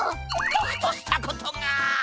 ボクとしたことが。